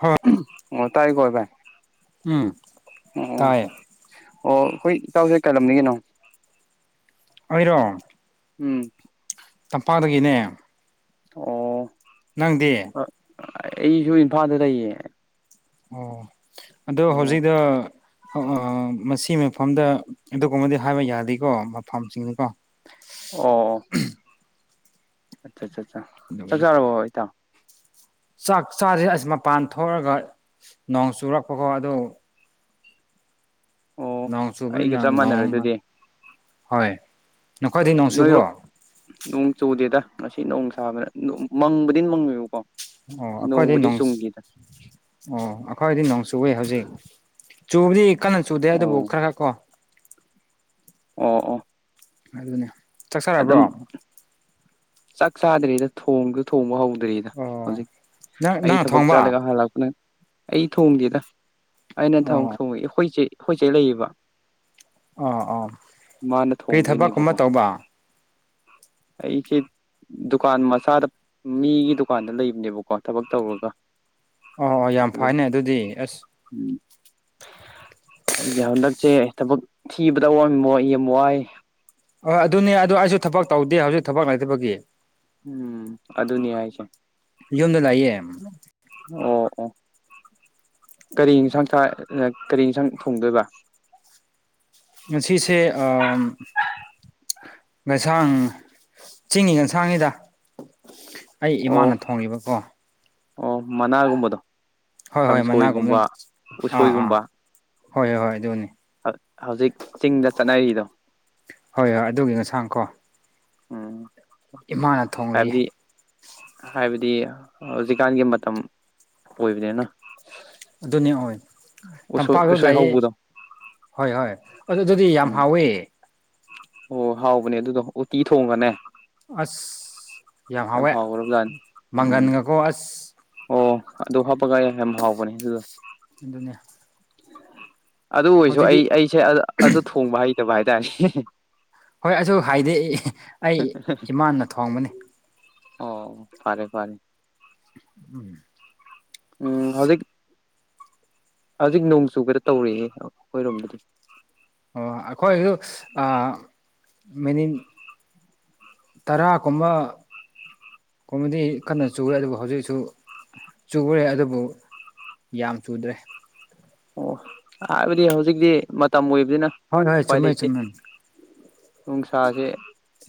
ꯍꯣꯏ ꯑꯣ ꯇꯥꯏ ꯀꯣ ꯚꯥꯏ ꯎꯝ ꯑꯣ ꯇꯥꯏꯌꯦ ꯑꯣ ꯑꯩꯈꯣꯏ ꯏꯇꯥꯎꯁꯦ ꯀꯩ ꯂꯝꯗꯒꯤꯅꯣ ꯑꯩꯔꯣ ꯎꯝ ꯇꯝꯄꯥꯛꯗꯒꯤꯅꯦ ꯑꯣ ꯅꯪꯗꯤ ꯑꯩꯁꯨ ꯏꯝꯐꯥꯜꯗ ꯂꯩꯌꯦ꯫ ꯑꯣ ꯑꯗꯣ ꯑꯣ ꯍꯧꯖꯤꯛꯗ꯫ ꯑ ꯃꯁꯤ ꯃꯐꯝꯗ ꯑꯗꯨꯒꯨꯝꯕꯗꯤ ꯍꯥꯏꯕ ꯌꯥꯗꯦꯀꯣ ꯃꯐꯝꯁꯤꯡꯗꯨꯀꯣ ꯑꯣ꯫ ꯑꯠꯆꯥ ꯑꯆꯥꯆꯥ ꯆꯥꯛ ꯑꯗꯨꯒꯤꯅꯤ ꯆꯥꯔꯕꯣ ꯏꯇꯥꯥꯎ꯫ ꯆꯥꯛ ꯆꯥꯥꯁꯦ ꯑꯁ ꯃꯄꯥꯟ ꯊꯣꯛꯑꯒ ꯅꯣꯡ ꯆꯨꯔꯛꯄꯀꯣ ꯑꯗꯨ ꯑꯣ ꯅꯣꯡ ꯑꯩꯒ ꯆꯨꯕꯅꯤꯅ ꯆꯞ ꯃꯥꯟꯅꯔꯦ ꯅꯣꯡ ꯑꯗꯨꯗꯤ ꯍꯣꯏ ꯅꯈꯣꯏꯗꯤ ꯅꯣꯡ ꯆꯨꯕꯣ꯫ ꯅꯣꯏꯔꯣ ꯅꯣꯡ ꯆꯨꯗꯦꯗ ꯉꯁꯤ ꯅꯣꯡ ꯁꯥꯕꯅ ꯃꯪꯕꯗꯤ ꯃꯪꯉꯦꯕꯀꯣ꯫ ꯑꯣ ꯑꯩꯈꯣꯏꯗꯤ ꯅꯣꯡꯕꯨꯗꯤ ꯅꯣꯡꯁ ꯆꯨꯝꯈꯤꯗ ꯑꯣ ꯑꯩꯈꯣꯏꯗꯤ ꯅꯣꯡ ꯆꯨꯋꯦ ꯍꯧꯖꯤꯛ ꯆꯨꯕꯗꯤ ꯀꯟꯅ ꯆꯨꯗꯦ ꯑꯗꯨꯕꯨ ꯑꯣ ꯈꯔ ꯈꯔ ꯀꯣ ꯑꯣ ꯑꯣ꯫ ꯑꯗꯨꯅꯦ ꯆꯥꯛ ꯆꯔꯕ꯭ꯔꯣ꯫ ꯑꯗꯨꯝ ꯆꯥꯛ ꯆꯥꯗ꯭ꯔꯤꯗ ꯊꯣꯡꯁꯨ ꯊꯣꯡꯕ ꯍꯧꯗ꯭ꯔꯤꯗ ꯑꯣ ꯍꯧꯖꯤꯛ ꯅꯪ ꯑꯩ ꯅꯪꯅ ꯊꯕꯛ ꯊꯣꯡꯕ ꯆꯠꯂꯦꯒ ꯍꯥꯟ ꯂꯥꯛꯄꯅꯦ꯫ ꯑꯩ ꯊꯣꯡꯗꯦꯗ ꯑꯩꯅ ꯊꯥꯡ ꯑꯣ ꯊꯣꯡꯉ ꯍꯣꯏꯆꯦ ꯍꯣꯏꯆꯦ ꯂꯩꯌꯦꯕ꯫ ꯑꯣ ꯑꯣ ꯃꯥꯅ ꯀꯔꯤ ꯊꯕꯛꯀꯨꯝꯕ ꯊꯣꯡꯗꯣꯏꯅꯦꯕꯀꯣ꯫ ꯇꯧꯕ ꯑꯩ ꯆꯤꯠ꯫ ꯗꯨꯀꯥꯟ ꯃꯆꯥꯗ ꯃꯤꯒꯤ ꯗꯨꯀꯥꯟꯗ ꯂꯩꯕꯅꯦꯕꯀꯣ ꯊꯕꯛ ꯇꯧꯔꯒ꯫ ꯑꯣ ꯌꯥꯝ ꯐꯅꯦ ꯑꯗꯨꯗꯤ ꯑꯁ꯫ ꯎꯝ꯫ ꯑꯩꯈꯣꯏꯒꯤ ꯍꯟꯗꯛꯁꯦ ꯊꯕꯛ ꯊꯤꯕꯗ ꯑꯋꯥꯕ ꯃꯣꯏ ꯌꯥꯝ ꯋꯥꯏꯌꯦ꯫ ꯍꯣꯏ ꯑꯗꯨꯅꯦ ꯑꯗꯨ ꯑꯩꯁꯨ ꯊꯕꯛ ꯇꯧꯗꯦ ꯍꯧꯖꯤꯛ ꯊꯕꯛ ꯂꯩꯇꯕꯒꯤ꯫ ꯎꯝ ꯑꯗꯨꯅꯤ ꯍꯥꯏꯁꯦ꯫ ꯌꯨꯝꯗ ꯂꯩꯌꯦ꯫ ꯑꯣ ꯑꯣ ꯀꯔꯤ ꯏꯟꯁꯥꯡ ꯆꯥꯏ ꯀꯔꯤ ꯏꯟꯁꯥꯡ ꯊꯣꯡꯗꯣꯏꯕ꯫ ꯉꯁꯤꯁꯦ ꯑꯝ ꯉꯁꯥꯡ ꯆꯤꯡꯒꯤ ꯉꯁꯥꯡꯉꯤꯗ ꯑꯩ ꯑꯣ ꯏꯃꯥꯅ ꯊꯣꯡꯉꯦꯕꯀꯣ꯫ ꯑꯣ ꯃꯅꯥꯒꯨꯝꯕꯗꯣ꯫ ꯍꯣꯏ ꯍꯣꯏ ꯃꯅꯥꯒꯨꯝꯅ ꯀꯥꯡꯁꯣꯏꯒꯨꯝꯕ ꯑꯥ ꯑꯥ ꯎꯁꯣꯏꯒꯨꯝꯕ ꯍꯣꯏ ꯍꯣꯏ ꯍꯣꯏ ꯑꯗꯨꯅꯤ꯫ ꯍꯧꯖꯤꯛ ꯆꯤꯡꯗ ꯆꯠꯅꯔꯤꯗꯣ꯫ ꯍꯣꯏ ꯍꯣꯏ ꯑꯗꯨꯒꯤ ꯉꯁꯥꯡ ꯀꯣ꯫ ꯎꯝ ꯏꯃꯥꯅ ꯊꯣꯡꯂꯛꯏ ꯍꯥꯏꯕꯗꯤ ꯍꯥꯏꯕꯗꯤ ꯍꯧꯖꯤꯛꯀꯥꯟꯒꯤ ꯃꯇꯝ ꯑꯣꯏꯕꯅꯤꯅ꯫ ꯑꯗꯨꯅꯤ ꯑꯣꯏ꯫ ꯎꯁꯣꯏ ꯇꯝꯄꯥꯛꯇ ꯎꯁꯣꯏ ꯂꯥꯛꯑꯦ ꯍꯧꯕꯗꯣ ꯍꯣꯏ ꯍꯣꯏ ꯑꯗꯨꯗꯤ ꯌꯥꯝ ꯎꯝ ꯍꯥꯎꯋꯤ꯫ ꯑꯣ ꯍꯥꯎꯕꯅꯦ ꯑꯗꯨꯗꯣ ꯎꯇꯤ ꯊꯣꯡꯉꯅꯦ꯫ ꯑꯁ ꯌꯥꯝ ꯍꯥꯎꯋꯦ ꯍꯥꯎꯈ꯭ꯔꯕꯖꯥꯠꯅꯤ ꯎꯝ ꯃꯪꯒꯟꯒꯀꯣ ꯑꯁ꯫ ꯑꯣ ꯑꯗꯨ ꯍꯥꯞꯄꯒ ꯌꯥꯝ ꯍꯥꯎꯕꯅꯦ ꯑꯗꯨꯗꯣ꯫ ꯑꯗꯨꯅꯦ꯫ ꯑꯗꯨ ꯑꯣꯏꯔꯁꯨ ꯍꯧꯖꯤꯛꯇꯤ ꯑꯩ ꯑꯩꯁꯦ ꯑꯗꯨ ꯊꯣꯡꯕ ꯍꯩꯇꯕ ꯍꯥꯏꯇꯥꯔꯦ꯫ ꯍꯣꯏ ꯑꯗꯨꯁꯨ ꯍꯥꯏꯗꯦ ꯑꯩ ꯏꯃꯥꯟꯅ ꯊꯣꯡꯕꯅꯤ꯫ ꯑꯣ ꯐꯥꯔꯦ ꯐꯔꯦ꯫ ꯎꯝ꯫ ꯎꯝ ꯍꯧꯖꯤꯛ ꯍꯧꯖꯤꯛ ꯅꯣꯡ ꯆꯨꯒꯗ ꯇꯧꯔꯤꯛꯌꯦ ꯑꯩꯈꯣꯏꯔꯣꯝꯕꯗꯤ ꯑꯣ ꯑꯩꯈꯣꯏꯁꯨ ꯑꯥ ꯃꯦꯅꯤ ꯇꯔꯥꯒꯨꯝꯕ ꯀꯨꯝꯕ ꯀꯨꯝꯕꯗꯤ ꯀꯟꯅ ꯆꯏꯦ ꯑꯗꯨꯕꯨ ꯍꯧꯖꯤꯛꯁꯨ ꯆꯨꯔꯦ ꯑꯗꯨꯕꯨ ꯌꯥꯝ ꯆꯨꯗ꯭ꯔꯦ ꯑꯣ ꯍꯥꯏꯕꯗꯤ ꯍꯧꯖꯤꯛꯇꯤ ꯃꯇꯝ ꯑꯣꯏꯕꯅꯤꯅ ꯍꯣꯏ ꯍꯣꯏ ꯎꯄꯥꯏ ꯆꯨꯝꯃꯦ ꯂꯩꯇꯦ ꯆꯨꯝꯃꯦ ꯅꯨꯡꯁꯥꯁꯦ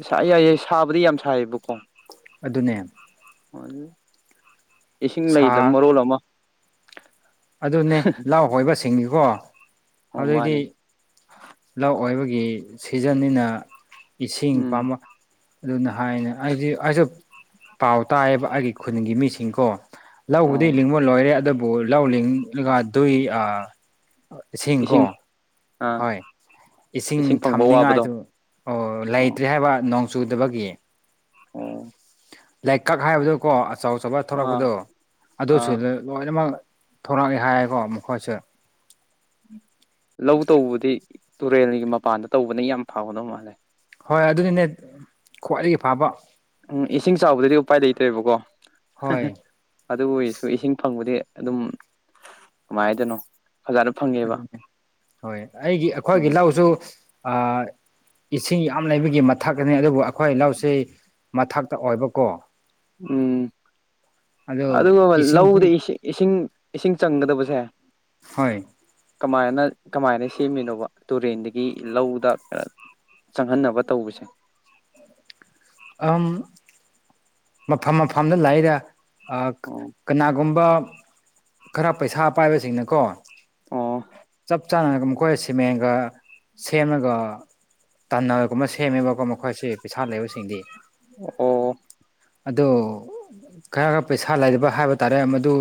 ꯁ ꯌꯥꯏ ꯌꯦꯏ ꯁꯥꯕꯗꯤ ꯌꯥꯝ ꯁꯥꯏꯌꯦꯕꯀꯣ ꯑꯗꯨꯅꯦ ꯏꯁꯤꯡ ꯂꯩꯗꯕ ꯁꯥ ꯃꯔꯣꯜ ꯑꯃ ꯑꯗꯨꯅꯦ ꯂꯧ ꯍꯣꯏꯕ ꯁꯤꯡꯅꯤꯀꯣ ꯑꯣ ꯍꯧꯖꯤꯛꯇꯤ ꯃꯥꯅꯤ ꯂꯧ ꯑꯣꯏꯕꯒꯤ ꯁꯤꯖꯟꯅꯤꯅ ꯏꯁꯤꯡ ꯎꯝ ꯄꯝꯕ ꯑꯗꯨꯅ ꯍꯥꯏꯅ ꯑꯩꯗꯤ ꯑꯩꯁꯨ ꯄꯥꯎ ꯇꯥꯏꯌꯦꯕ ꯑꯩꯒꯤ ꯈꯨꯟꯒꯤ ꯃꯤꯁꯤꯡꯀꯣ ꯂꯕꯨꯗꯤ ꯑꯣ ꯂꯤꯡꯕ ꯂꯣꯏꯔꯦ ꯑꯗꯨꯕꯨ ꯂꯧ ꯂꯤꯡꯉꯒ ꯑꯗꯨꯏ ꯑꯥ ꯏꯁꯤꯡ ꯀꯣ ꯑꯥ ꯍꯣꯏ ꯏꯁꯤꯡ ꯐꯪꯕ ꯋꯥꯕꯗꯣ ꯊꯝꯅꯤꯉꯥꯏꯗꯨ ꯑꯣ ꯑꯣ ꯂꯩꯇ꯭ꯔꯦ ꯍꯥꯏꯕ ꯅꯣꯡ ꯆꯨꯗꯕꯒꯤ ꯑꯣ ꯂꯩ ꯀꯛ ꯍꯥꯏꯕꯗꯣꯀꯣ ꯑꯆꯧ ꯑꯆꯧꯕ ꯑꯥ ꯊꯂꯛꯄꯗꯣ ꯑꯥ ꯑꯗꯨꯁꯨ ꯂꯣꯏꯅꯃꯛ ꯊꯣꯔꯛꯑꯦ ꯍꯥꯏꯌꯦꯀꯣ ꯃꯈꯣꯏꯠꯁꯦ ꯂꯧ ꯇꯧꯕꯗꯤ ꯇꯨꯔꯦꯜꯒꯤ ꯃꯄꯥꯟꯗ ꯇꯧꯕꯅ ꯌꯥꯝ ꯐꯥꯎꯒꯗꯧ ꯃꯥꯜꯂꯦ ꯍꯣꯏ ꯑꯗꯨꯗꯤꯅꯦ ꯈ꯭ꯋꯥꯏꯗꯒꯤ ꯐꯕ ꯎꯝ ꯏꯁꯤꯡ ꯆꯥꯎꯕꯗꯗꯤ ꯎꯄꯥꯏ ꯂꯩꯇ꯭ꯔꯦꯕꯀꯣ ꯍꯣꯏ ꯑꯗꯨ ꯑꯣꯏꯔꯁꯨ ꯏꯁꯤꯡ ꯐꯪꯕꯗꯤ ꯑꯗꯨꯝ ꯀꯃꯥꯏ ꯍꯥꯏꯗꫭꯏꯅꫭ ꯐꯖꯅ ꯐꯪ ꯑꯗꯨꯅꯦ ꯍꯣꯏ ꯑꯩꯒꯤ ꯑꯩꯈꯣꯏꯒꯤ ꯂꯧꯁꯨ ꯑꯥ ꯏꯁꯤꯡ ꯌꯥꯝ ꯂꯩꯕꯒꯤ ꯃꯊꯥꯛꯅꯤ ꯑꯗꯨꯕꯨ ꯑꯩꯈꯣꯏ ꯂꯧꯁꯤ ꯃꯊꯛꯇ ꯑꯣꯏꯕꯀꯣ ꯎꯝ ꯑꯗꯨ ꯑꯗꯨꯒ ꯏꯁꯤꯡꯗꯤ ꯂꯧꯗ ꯏꯁꯤꯡ ꯏꯁꯤꯡ ꯆꯪꯒꯗꯕꯁꯦ ꯍꯣꯏ ꯀꯃꯥꯏꯅ ꯀꯃꯥꯏꯅ ꯁꯦꯝꯃꯤꯅꯣꯕ ꯇꯨꯔꯦꯟꯗꯒꯤ ꯂꯧꯗ ꯆꯪꯍꯟꯅꯕ ꯇꯧꯕꯁꯦ ꯑꯝ ꯃꯐꯝ ꯃꯐꯝꯗ ꯂꯩꯗ ꯑꯥ ꯑꯣ ꯀꯅꯥꯒꯨꯝꯕ ꯈꯔ ꯄꯩꯁꯥ ꯄꯥꯏꯕꯁꯤꯡꯅꯀꯣ ꯑꫭ ꯆꯥꯅꯔꯒ ꯃꯈꯣꯏ ꯁꯤꯃꯦꯟꯒ ꯁꯦꯝꯃꯒ ꯇꯟꯅꯔꯒꯨꯝꯕ ꯁꯦꯝꯃꯦꯕꯀꯣ ꯃꯈꯣꯏꯁꯤ ꯄꯩꯁꯥ ꯂꯩꯕ ꯁꯤꯡꯗꯤ ꯑꯣ ꯑꯗꯣ ꯈꯔ ꯈꯔ ꯄꯩꯁꯥ ꯂꯩꯕ ꯍꯥꯏꯕ ꯇꯥꯔꯦ ꯃꯗꯨ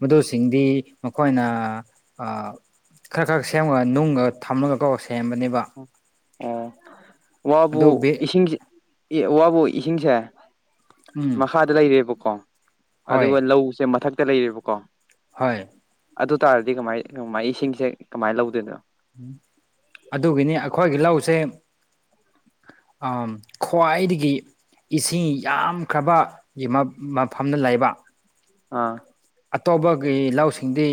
ꯃꯗꯨꯁꯤꯡꯗꯤ ꯃꯈꯣꯏꯅ ꯑꯥ ꯈꯔ ꯈꯔ ꯁꯦꯝꯃꯒ ꯅꯨꯡꯒ ꯊꯝꯃꯒ ꯀꫭ ꯁꯦꯝꯕꯅꯦꯕ ꯑꯣ ꯋꯥꯕꯨ ꯑꯗꯨ ꯏꯁꯤꯡ ꯋꯥꯕꯨ ꯏꯁꯤꯡꯁꯦ ꯎꯝ ꯃꯈꯥꯗ ꯂꯩꯔꯦꯕꯀꯣ ꯍꯣꯏ ꯑꯗꯨꯒ ꯂꯧꯁꯦ ꯃꯊꯛꯇ ꯂꯩꯔꯦꯕꯀꯣ ꯍꯣꯏ ꯑꯗꯨ ꯇꯥꯔꯗꯤ ꯀꯃꯥꯏ ꯀꯃꯥꯏ ꯏꯁꯤꯡꯁꯦ ꯀꯃꯥꯏꯅ ꯂꯧꯗꯣꯏꯅꯣ ꯑꯗꯨꯒꯤꯅꯤ ꯑꯩꯈꯣꯏꯒꯤ ꯂꯧꯁꯦ ꯑꯝ ꯈ꯭ꯋꯥꯏꯗꯒꯤ ꯏꯁꯤꯡ ꯌꯥꯝꯈ꯭ꯔꯕ ꯒꯤ ꯃꯐꯝꯗ ꯂꯩꯕ ꯑꯥ ꯑꯇꯣꯞꯄꯒꯤ ꯂꯧꯁꯤꯡꯗꯤ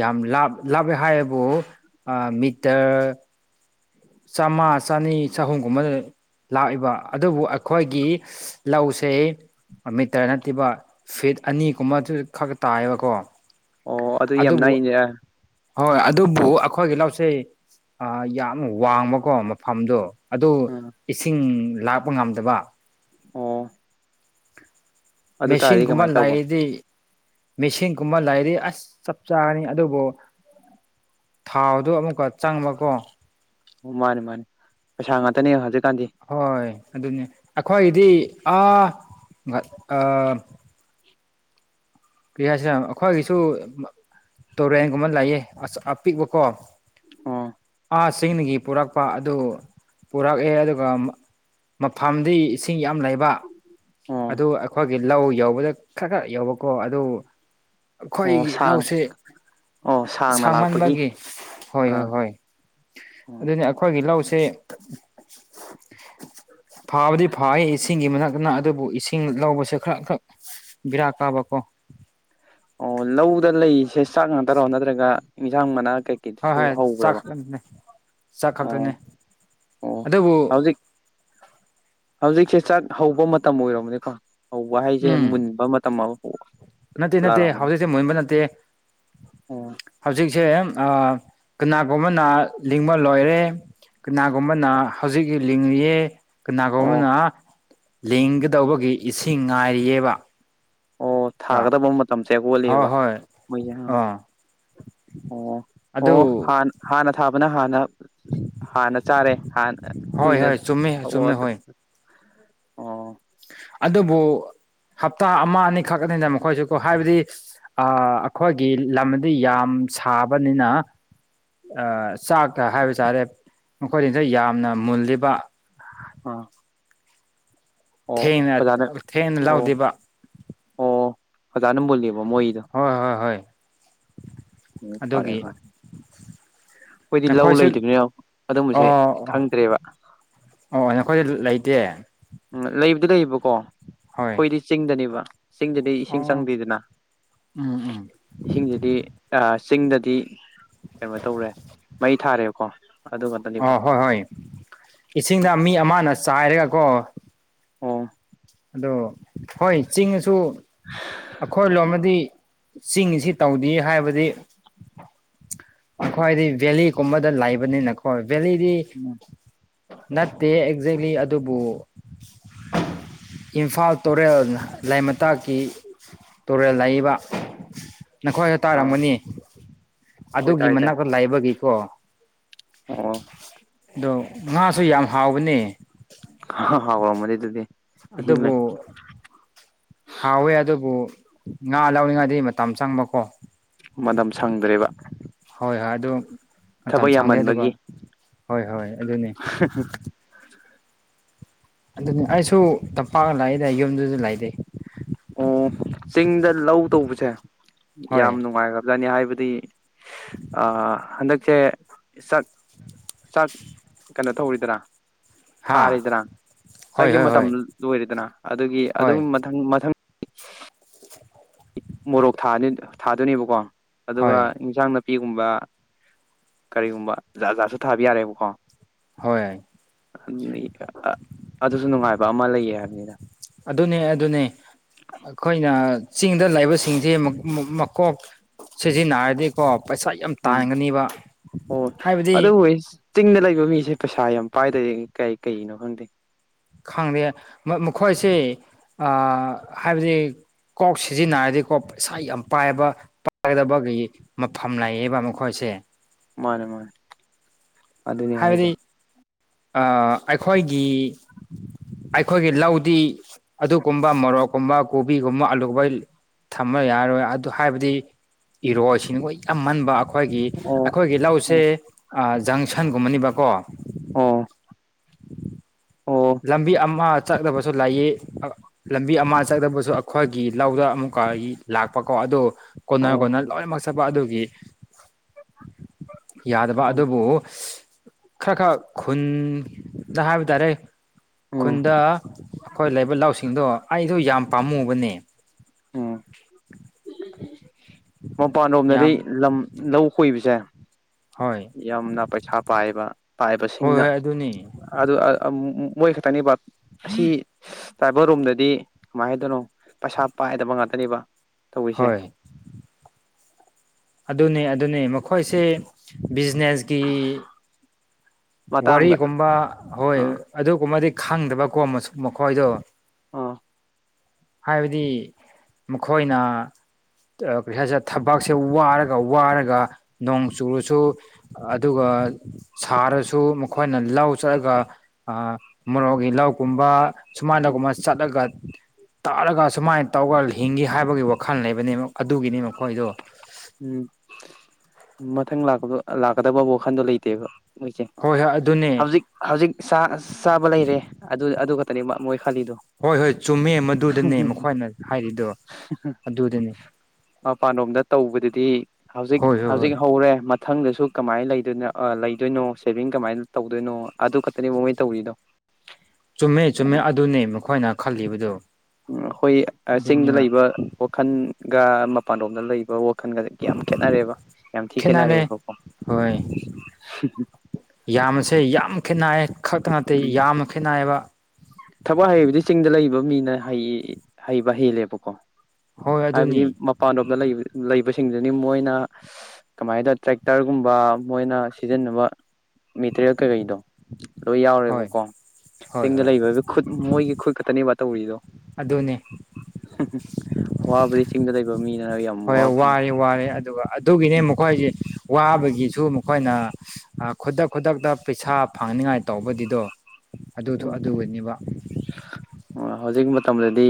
ꯌꯥꯝ ꯂꯥꯞ ꯂꯥꯞꯅꯦ ꯍꯥꯏꯌꯦꯕꯨ ꯑꯥ ꯃꯤꯠꯇꯔ ꯆꯥꯝꯃ ꯆꯅꯤ ꯆꯍꯨꯝꯒꯨꯝꯕꯗ ꯂꯩ ꯂꯥꯛꯏꯕ ꯑꯗꯨꯕꯨ ꯑꯩꯈꯣꯏꯒꯤ ꯂꯧꯁꯦ ꯑꯃꯤꯇꯔ ꯅꯠꯇꯦꯕ ꯐꯤꯠ ꯑꯅꯤꯒꯨꯝꯕꯆꯨ ꯈꯛ ꯇꯥꯏꯌꯦꯕꯀꯣ ꯑꯣ ꯑꯗꯨ ꯌꯥꯝ ꯑꯗꯨꯕꯨ ꯅꯥꯏꯅꯦ ꯍꯣꯏ ꯑꯗꯨꯕꯨ ꯑꯈꯣꯏꯒꯤ ꯂꯧꯁꯦ ꯑꯥ ꯌꯥꯝ ꯋꯥꯡꯕꯀꯣ ꯃꯐꯝꯗꯣ ꯑꯗꯨ ꯑꯥ ꯏꯁꯤꯡ ꯂꯥꯛꯄ ꯉꯝꯗꯕ ꯑꯣ ꯑꯗꯨ ꯇꯥꯔꯗꯤ ꯃꯦꯁꯤꯟꯒꯨꯝꯕ ꯀꯃꯥꯏꯅ ꯇꯧꯕ ꯂꯩꯥꯌꯥꯗꯤ ꯃꯦꯁꯤꯡꯒꯨꯝꯕ ꯂꯩꯔꯗꯤ ꯑꯁ ꯆꯞ ꯆꯥꯔꯅꯤ ꯑꯗꯨꯕꯨ ꯊꯥꯎꯗꯣ ꯑꯃꯨꯛꯀ ꯆꯪꯕꯀꯣ ꯑꯣ ꯃꯥꯅꯦ ꯃꯥꯅꯦ ꯄꯩꯁꯥ ꯉꯥꯛꯇꯅꯦ ꯍꯧꯖꯤꯛꯀꯥꯟꯗꯤ ꯍꯣꯏ ꯑꯗꯨꯅꯦ ꯑꯩꯈꯣꯏꯒꯤꯗꯤ ꯑꯥ ꯒꯠ ꯑꯥ ꯀ꯭ꯔꯤꯍꯁꯤꯔ ꯑꯩꯈꯣꯏꯒꯤꯁꯨ ꯇꯨꯔꯦꯟꯒꯨꯝꯕ ꯂꯩꯌꯦ ꯑꯁ ꯑꯄꯤꯛꯄꯀꯣ ꯑꯣ ꯑꯁꯤꯡꯗꯒꯤ ꯄꯨꯔꯛꯄ ꯑꯗꯨ ꯄꯨꯔꯛꯑꯦ ꯑꯗꯨꯒ ꯃꯥ__ ꯃꯐꯝꯗꯤ ꯏꯁꯤꯡ ꯌꯥꯝ ꯂꯩꯕ ꯑꯣ ꯑꯗꯨ ꯑꯩꯈꯣꯏꯒꯤ ꯂꯧ ꯌꯧꯕꯗ ꯈꯥ ꯈꯥ ꯌꯧꯕꯀꯣ ꯑꯗꯨ ꯑꯣ ꯑꯩꯈꯣꯏꯒꯤ ꯁꯥꯡ ꯂꯧꯁꯦ ꯑꯣ ꯁꯥꯡꯅ ꯂꯥꯛꯄꯒꯤ ꯁꯥꯡꯃꯟꯕꯒꯤ ꯍꯣꯏ ꯍꯣꯏ ꯑꯥ ꯍꯣꯏ ꯑꯣ ꯑꯗꯨꯅꯤ ꯑꯩꯈꯣꯏꯒꯤ ꯂꯧꯁꯦ ꯐꯕꯗꯤ ꯐꯥꯌꯦ ꯏꯁꯤꯡꯒꯤ ꯃꯅꯥꯛꯇꯅ ꯑꯗꯨꯕꯨ ꯏꯁꯤꯡ ꯂꯧꯕꯁꯦ ꯈꯔ ꯈꯛ ꯕꯦꯔꯥ ꯀꯥꯕꯀꯣ ꯑꯣ ꯂꯧꯗ ꯂꯩꯁꯦ ꯆꯥꯛ ꯉꯥꯛꯇꯔꯣ ꯅꯠꯇ꯭ꯔꯒ ꯏꯟꯁꯥꯡ ꯃꯅꯥ ꯀꯩꯀꯩꯁꯨ ꯍꯧꯕ꯭ꯔꯕ ꯄꯨꯟꯅ ꯑꯣ ꯑꯣ ꯑꯗꯨꯕꯨ ꯍꯧꯖꯤꯛ ꯍꯧꯖꯤꯛꯁꯦ ꯆꯥꯛ ꯍꯧꯕ ꯃꯇꯝ ꯑꯣꯏꯔꯕꯅꯦꯀꯣ ꯍꯧꯕ ꯍꯥꯏꯖꯦ ꯎꯝ ꯃꯨꯟꯕ ꯃꯇꯝ ꯑꯃ ꯍꯧꯕ ꯅꯠꯇꯦ ꯅꯠꯇꯦ ꯍꯧꯖꯤꯛꯁꯦ ꯃꯨꯟꯕ ꯅꯠꯇꯦ ꯑꯣ ꯍꯧꯖꯤꯛ ꯆꯦ ꯀꯅꯥꯒꯨꯝꯕꯅ ꯂꯤꯡꯕ ꯂꯣꯏꯔꯦ ꯀꯅꯥꯒꯨꯝꯕꯅ ꯍꯧꯖꯤꯛꯒꯤ ꯂꯤꯡꯂꯤꯌꯦ ꯑꯣ ꯀꯅꯥꯒꯨꯝꯕꯅ ꯂꯤꯡꯒꯗꯧꯕꯒꯤ ꯏꯁꯤꯡ ꯉꯥꯏꯔꯤꯌꯦꯕ ꯑꯣ ꯀꯣ ꯊꯥꯒꯗꯕ ꯃꯇꯝꯁꯦ ꯍꯣꯏ ꯍꯣꯜꯂꯤꯕ ꯍꯣꯏ ꯃꯣꯏꯖꯦ ꯍꯥ ꯑꯥ ꯑꯣ ꯑꯗꯨ ꯑꯣ ꯍꯥꯟ ꯍꯥꯟꯅ ꯊꯥꯕꯅ ꯍꯥꯟꯅ ꯍꯥꯟꯅ ꯆꯥꯔꯦ ꯍꯥꯟꯅ ꯍꯣꯏ ꯍꯣꯏ ꯆꯨꯝꯃꯦ ꯀꯨꯏꯅꯑꯣ ꯆꯨꯝꯃꯦ ꯆꯠ__ ꯍꯣꯏ ꯑꯣ ꯑꯗꯨꯕꯨ ꯍꯞꯇꯥ ꯑꯃ ꯑꯅꯤꯈꯛꯅꯤꯅ ꯃꯈꯣꯏꯖꯨꯀꯣ ꯍꯥꯏꯕꯗꯤ ꯑꯥ ꯑꯩꯈꯣꯏꯒꯤ ꯂꯝꯅꯗꯤ ꯌꯥꯝ ꯁꯥꯕꯅꯤꯅ ꯑꯥ ꯆꯥꯛꯇ ꯍꯥꯏꯕ ꯆꯥꯔꯦ ꯃꯈꯣꯏꯒꯤꯖꯦ ꯌꯥꯝꯅ ꯃꯨꯜꯂꯤꯕ ꯑꯥ ꯑꯣ ꯑꯣ ꯊꯦꯡꯅ ꯐꯖꯥꯅ ꯊꯦꯡꯅ ꯑꯣ ꯂꯧꯗꯦꯕ ꯑꯣ ꯐꯖꯥꯅ ꯃꯨꯜꯂꯤꯕ ꯃꯣꯏꯗꯣ ꯍꯣꯏ ꯍꯣꯏ ꯍꯣꯏ ꯎꯝ ꯐꯔꯦ ꯑꯗꯨꯒꯤ ꯐꯔꯦ ꯑꯩꯈꯣꯏꯗꯤ ꯂꯧ ꯅꯈꯣꯏꯁꯨ ꯂꯩꯇꯕꯅꯤꯅ ꯑꯗꯨꯝꯕꯁꯦ ꯑꯣ ꯑꯣ ꯈꯪꯗ꯭ꯔꯦꯕ ꯑꯣ ꯅꯈꯣꯏꯜ ꯂꯩꯇꯦ ꯎꯝ ꯂꯩꯕꯗꯤ ꯂꯩꯌꯦꯕꯀꯣ꯫ ꯍꯣꯏ꯫ ꯗꯤ ꯆꯤꯡꯗꯅꯦꯕ ꯆꯤꯡꯗꯗꯤ ꯏꯁꯤꯡ ꯑꯣ ꯆꯪꯗꯦꯗꯅ ꯎꯝ [unintelligible] ꯎꯝ ꯏꯁꯤꯡꯁꯤꯗꯤ ꯑꯥ ꯆꯤꯡꯗꯗꯤ ꯀꯩꯅꯣ ꯇꯧꯔꯦ ꯃꯩ ꯊꯥꯔꯦꯕꯀꯣ꯫ ꯑꯗꯨ ꯑ ꯈꯛꯇꯅꯦꯕ ꯍꯣꯏ ꯍꯣꯏ ꯏꯁꯤꯡꯗ ꯃꯤ ꯑꯃꯅ ꯆꯥꯏꯔꯒ ꯀꯣ꯫ ꯑꯣ꯫ ꯑꯗꯣ ꯍꯣꯏ ꯆꯤꯡꯉꯁꯨ ꯑꯈꯣꯏ ꯂꯣꯝꯃꯗꯤ ꯆꯤꯡꯉꯤꯁꯤ ꯇꯧꯗꯦ ꯍꯥꯏꯕꯗꯤ [unintelligible] ꯑꯩꯈꯣꯏꯗꯤ ꯚꯦꯂꯤꯒꯨꯝꯕꯗ ꯂꯩꯕꯅꯤꯅꯀꯣ ꯚꯦꯂꯤꯗꯤ ꯎꯝ [unintelligible] ꯅꯠꯇꯦ ꯑꯦꯛꯖꯦꯛꯂꯤ ꯑꯗꯨꯕꯨ ꯏꯝꯐꯥꯜ ꯇꯨꯔꯦꯜ ꯂꯥꯏ ꯃꯇꯥꯛꯀꯤ ꯇꯨꯔꯦꯜ ꯂꯩꯕ [unintelligible] ꯅꯈꯣꯏꯅ ꯑꯥ ꯇꯥꯔꯝꯒꯅꯤ ꯍꯣꯏ ꯑꯗꯨꯒꯤ ꯇꯥꯏ ꯇꯥꯏ ꯃꯅꯥꯛꯇ ꯂꯩꯕꯒꯤꯀꯣ ꯑꯣ [unintelligible] ꯑꯗꯣ ꯉꯥꯁꯨ ꯌꯥꯝ ꯍꯥꯎꯕꯅꯦ꯫ ꯍꯥ ꯍꯥꯎꯔꯝꯒꯅꯤ ꯗꯨꯗꯤ꯫ ꯑꯗꯨꯕꯨ ꯍꯥꯎꯋꯦ ꯑꯗꯨꯕꯨ ꯉꯥ ꯂꯥꯎꯅꯤꯡꯉꯗꯤ ꯃꯇꯝ ꯆꯪꯕꯀꯣ꯫ ꯃꯇꯝ ꯁꯪꯗ꯭ꯔꯦꯕ [unintelligible] ꯍꯣꯏ ꯑꯗꯨ ꯃꯇꯝ ꯊꯕꯛ ꯁꯪꯗꯦ ꯑꯗꯨꯒ ꯌꯥꯝꯃꯟꯕꯒꯤ ꯍꯣꯏ-ꯍꯣꯏ ꯑꯗꯨꯅꯤ꯫ ꯑꯗꯨꯅꯤ ꯑꯩꯁꯨ ꯇꯝꯄꯥꯛꯗ ꯂꯩꯑꯦꯗ ꯌꯨꯝꯗꯨꯁꯨ ꯂꯩꯇꯦ꯫ ꯑꯣ ꯆꯤꯡꯗ ꯂꯧ ꯇꯧꯕꯁꯦ ꯍꯣꯏ ꯌꯥꯝ ꯅꯨꯡꯉꯥꯏꯈ꯭ꯔꯕꯖꯥꯠꯅꯤ ꯍꯥꯏꯕꯗꯤ ꯑꯥ ꯍꯟꯗꯛꯁꯦ ꯆꯥꯛ ꯆꯥꯛ ꯀꯩꯅꯣ ꯇꯧꯋꯤꯗꯅ꯫ ꯍꯥ ꯊꯥꯔꯤꯗꯅ ꯍꯣꯏ ꯆꯥꯛꯒꯤ ꯍꯣꯏ ꯃꯇꯝ ꯍꯣꯏ ꯂꯣꯏꯔꯦꯗꯅ ꯑꯗꯨꯒꯤ ꯑꯗꯨꯝ ꯍꯣꯏ ꯃꯊꯪ ꯃꯊꯪ [unintelligible] ꯃꯣꯔꯣꯛ ꯊꯥꯅꯤ ꯊꯥꯗꯣꯏꯅꯦꯕꯀꯣ ꯑꯗꯨꯒ ꯍꯣꯏ ꯏꯟꯁꯥꯡꯅ ꯄꯤꯒꯨꯝꯕ ꯀꯔꯤꯒꯨꯝꯕ ꯖꯥ ꯖꯥꯠꯁꯨ ꯊꯥꯕ ꯌꯥꯔꯦꯕꯀꯣ꯫ ꯍꯣꯏ꯫ [unintelligible] ꯑꯗꯨꯁꯨ ꯅꯨꯡꯉꯥꯏꯕ ꯑꯃ ꯂꯩꯌꯦ꯫ ꯑꯗꯨꯅꯦ-ꯑꯗꯨꯅꯦ ꯑꯈꯣꯏꯅ ꯆꯤꯡꯗ ꯂꯩꯕꯁꯤꯡꯁꯤ ꯃ ꯃ ꯃꯀꯣꯛ ꯁꯤꯖꯤꯟꯅꯔꯗꯤ ꯀꯣ ꯄꯩꯁꯥ ꯌꯥꯝ ꯎꯝ ꯇꯥꯟꯒꯅꯤꯕ ꯍꯥꯏꯕꯗꯤ ꯆꯤꯡꯅ ꯂꯩꯕ ꯃꯤꯁꯦ ꯄꯩꯁꯥ ꯌꯥꯝ ꯄꯥꯏꯗꯦ ꯀꯩ ꯀꯩꯒꯤꯅꯣ ꯈꯪꯗꯦ꯫ ꯈꯪꯗꯦ ꯃ ꯃꯈꯣꯏꯁꯦ ꯑꯥ ꯍꯥꯏꯕꯗꯤ ꯀꯣꯛ ꯁꯤꯖꯤꯟꯅꯔꯗꯤ ꯀꯣꯛ ꯄꯩꯁꯥꯥ ꯌꯥꯝ ꯄꯥꯏꯕ ꯄꯥꯒꯗꯕ ꯒꯩ ꯃꯐꯝ ꯂꯩꯌꯦꯕ ꯃꯈꯣꯏꯁꯦ꯫ ꯃꯥꯅꯦ-ꯃꯥꯅꯦ ꯑꯗꯨꯅꯤ ꯍꯥꯏꯁꯦ꯫ ꯑꯥ ꯑꯩꯈꯣꯏꯒꯤ ꯑꯩꯈꯣꯏꯒꯤ ꯂꯧꯗꯤ ꯑꯗꯨꯒꯨꯝꯕ ꯃꯣꯔꯣꯛꯀꯨꯝꯕ ꯀꯣꯕꯤꯒꯨꯝꯕ ꯑꯂꯨꯒꫭꯏ ꯊꯃ ꯌꯥꯔꯣꯏ ꯑꯗꯨ ꯍꯥꯏꯕꯗꯤ ꯏꯔꯣꯏꯁꯤꯡ ꯃꫭꯏ ꯌꯥꯝꯃꯟꯕ ꯑ ꯑꯈꯣꯏꯒꯤ ꯑꯣ ꯑꯩꯈꯣꯏꯒꯤ ꯂꯧꯁꯦ ꯑꯣ ꯑꯥ ꯖꯪꯁꯟꯒꯨꯝꯕꯅꯤꯕꯀꯣ꯫ ꯑꯣ꯫ ꯑꯣ ꯂꯝꯕꯤ ꯑꯃ ꯆꯠꯗꯕꯁꯨ ꯂꯩꯌꯦ ꯂꯝꯕꯤ ꯑꯃ ꯆꯠꯗꯕꯁꯨ ꯑꯩꯈꯣꯏꯒꯤ ꯂꯧꯗ ꯑꯃꯨꯛꯀ ꯏ ꯂꯥꯛꯄꯀꯣ ꯑꯗꯨ ꯑꯣ ꯀꯣꯟꯅꯔ-ꯀꯣꯟꯅꯔ ꯂꯣꯏꯅꯃꯛ ꯆꯠꯄ ꯑꯗꯨꯒꯤ ꯌꯥꯗꯕ ꯑꯣ ꯑꯗꯨꯕꯨ ꯈꯔ ꯈꯔ ꯈꯨꯟꯗ ꯍꯥꯏꯕ ꯇꯥꯔꯦ ꯎꯝ ꯈꯨꯟꯗ ꯑꯈꯣꯏ ꯂꯩꯕ ꯂꯧꯁꯤꯡꯗꯣ ꯑꯩꯗꯣ ꯌꯥꯝ ꯄꯥꯝꯃꯨꯕꯅꯦ ꯎꯝ ꯃꯄꯥꯟ ꯔꯣꯝꯗꯗꯤ ꯌꯥꯝ ꯂꯝ ꯂꯧ ꯈꯣꯏꯕꯁꯦ ꯍꯣꯏ ꯌꯥꯝꯅ ꯄꯩꯁꯥ ꯄꯥꯏꯕ ꯍꯣꯏ ꯄꯥꯏꯕꯁꯤꯡꯅ ꯍꯣꯏ ꯑꯗꯨꯅꯤ ꯑꯗꯨ ꯃꯣꯏ ꯈꯛꯇꯅꯤꯕ ꯑꯁꯤ ꯇꯥꯏꯕ ꯔꯣꯝꯗꯗꯤ ꯀꯃꯥꯏꯅ ꯍꯥꯏꯗꯣꯏꯅꯣ ꯄꯩꯁꯥ ꯄꯥꯏꯗꯕ ꯉꯥꯛꯇꯅꯦꯕ ꯇꯧꯔꯤꯁꯦ ꯍꯣꯏ ꯑꯗꯨꯅꯤ ꯑꯗꯨꯅꯤ ꯃꯈꯣꯏꯁꯦ ꯕꯤꯖꯤꯅꯦꯁ ꯀꯤ ꯃꯇꯥꯡꯗ ꯋꯥꯔꯤꯒꯨꯝꯕ ꯍꯣꯏ ꯑꯥ ꯑꯗꯨꯒꯨꯝꯕꯗꯤ ꯈꯪꯗꯕꯀꯣ ꯃꯁꯨ ꯃꯈꯣꯏꯗꯣ ꯑꯥ ꯍꯥꯏꯕꯗꯤ ꯃꯈꯣꯏꯅ ꯑ ꯀꯩ ꯍꯥꯏꯁꯤꯔ ꯊꯕꯥꯛꯁꯦ ꯋꯥꯔꯒ ꯋꯥꯔꯒ ꯅꯣꯡ ꯆꯨꯨꯔꯁꯨ ꯑꯗꯨꯒ ꯁꯥꯔꯁꯨ ꯃꯈꯣꯏꯅ ꯂꯧ ꯆꯠꯂꯒ ꯑ ꯃꯣꯔꯣꯛꯒꯤ ꯂꯧꯀꯨꯝꯕ ꯎꯝ ꯁꯨꯃꯥꯏꯅꯒꯨꯝꯕ ꯆꯠꯂꯒ ꯇꯥꯔꯒ ꯁꯨꯃꯥꯏꯅ ꯇꯧꯒ ꯍꯤꯡꯒꯦ ꯍꯥꯏꯕꯒꯤ ꯋꯥꯈꯜ ꯂꯩꯕꯅꯤ ꯑꯗꯨꯒꯤꯅꯤ ꯃꯈꯣꯏꯗꯣ ꯎꯝ ꯃꯊꯪ ꯂꯥꯛꯄꯗ ꯂꯥꯛꯀꯗꯕ ꯋꯥꯈꯟꯗꯣ ꯂꯩꯇꯦꯕ ꯃꯣꯏꯁꯦ ꯍꯣꯏ ꯍꯣꯏ ꯑꯗꯨꯅꯦ ꯍꯧꯖꯤꯛ ꯍꯧꯖꯤꯛ ꯆꯥ ꯆꯥꯕ ꯂꯩꯔꯦ ꯑꯗꯨ ꯑꯗꯨ ꯈꯛꯇꯅꯤꯃ ꯃꯣꯏ ꯈꯜꯂꯤꯗꯣ ꯍꯣꯏ ꯍꯣꯏ ꯆꯨꯝꯃꯦ ꯃꯗꯨꯗꯅꯦ ꯃꯈꯣꯏꯅ ꯍꯥꯏꯔꯤꯗꯣ ꯑꯗꯨꯗꯅꯦ ꯃꯄꯥꯟꯂꯣꯝꯗ ꯇꯧꯕꯗꯗꯤ ꯍꯧꯖꯤꯛ ꯍꯣꯏ ꯍꯣꯏ ꯍꯣꯏ ꯍꯧꯖꯤꯛ ꯍꯧꯔꯦ ꯃ ꯊꯪꯗꯁꯨ ꯀꯃꯥꯏ ꯂꯩꯗꯣꯏꯅꯣ ꯑ ꯂꯩꯗꯣꯏꯅꯣ ꯁꯦꯚꯤꯡ ꯀꯃꯥꯏꯟ ꯇꯧꯗꯣꯏꯅꯣ ꯑꯗꯨ ꯈꯛꯇꯅꯦ ꯃꯉꯣꯏ ꯇꯧꯔꯤꯗꯣ ꯆꯨꯝꯃꯦ ꯌꯥꯝ ꯆꯨꯝꯃꯦ ꯑꯗꯨꯅꯦ ꯃꯈꯣꯏꯅ ꯈꯜꯂꯤꯕꯗꯨ ꯎ ꯑꯈꯣꯏ ꯑ ꯆꯤꯡꯗ ꯂꯩꯕ ꯋꯥꯈꯜꯒ ꯃꯄꯥꯟꯂꯣꯝꯗ ꯂꯩꯕ ꯋ ꯈꯟꯒꯗ ꯌꯥꯝ ꯈꯦꯠꯅꯔꯦꯕ ꯌꯥꯝ ꯊꯤ ꯈꯦꯠꯅꯔꯦ ꯈꯦꯠꯅꯔꯦꯕꯀꯣ ꯍꯣꯏ ꯌꯥꯝꯅꯁꯦ ꯌꯥꯝ ꯈꯦꯠꯅꯏꯌꯦ ꯈꯛꯇ ꯅꯠꯇꯦ ꯎꯝ ꯌꯥꯝꯅ ꯈꯦꯠꯅꯏꯌꯦꯕ ꯊꯕꯛ ꯍꯩꯕꯗꯤ ꯆꯤꯡꯗ ꯂꯩꯕ ꯃꯤꯅ ꯍꯩꯌꯦ ꯍꯩꯕ ꯍꯦꯜꯂꯦꯕꯀꯣ ꯍꯣꯏ ꯍꯥꯏꯕꯗꯤ ꯑꯗꯨꯅꯤ ꯃꯄꯥꯟꯂꯣꯝꯗ ꯂꯩꯕ ꯂꯩꯕꯁꯤꯡꯗꯨꯅꯤ ꯃꯣꯏꯅ ꯀꯃꯥꯏꯅ ꯇꯧ ꯇ꯭ꯔꯦꯛꯇꯔꯒꯨꯝꯕ ꯃꯣꯏꯅ ꯁꯤꯖꯤꯟꯅꯕ ꯃꯦꯇꯔꯤꯌꯦꯜ ꯀꯩꯀꯩꯗꯣ ꯂꯣꯏ ꯍꯣꯏ ꯌꯥꯎꯔꯦꯕꯀꯣ ꯍꯣꯏ ꯆꯤꯡꯗ ꯍꯣꯏ ꯂꯩꯕꯒꯤ ꯈꯨꯠ ꯃꯣꯏꯒꯤ ꯈꯨꯠ ꯈꯛꯇꯅꯦꯕ ꯇꯧꯔꯤꯗꯣ ꯑꯗꯨꯅꯦ ꯋꯥꯕꯗꯤ ꯆꯤꯡꯗ ꯂꯩꯕ ꯃꯤꯅ ꯌꯥꯝ ꯍꯣꯏ ꯋꯥꯕ ꯃꯥ ꯋꯥꯔꯦ ꯋꯥꯔꯦ ꯑꯗꯨꯒ ꯑꯗꯨꯒꯤꯅꯤ ꯃꯈꯣꯏꯁꯤ ꯋꯥꯕꯒꯤꯁꯨ ꯃꯈꯣꯏꯅ ꯑ ꯈꯨꯗꯛ ꯈꯨꯗꯛꯇ ꯄꯩꯁꯥ ꯐꯪꯅꯤꯉꯥꯏ ꯇꯧꯕꯗꯤꯗꯣ ꯑꯗꯨꯗꯣ ꯑꯗꯨꯒꯤꯅꯦꯕ ꯑꯣ ꯍꯧꯖꯤꯛ ꯃꯇꯝꯗꯗꯤ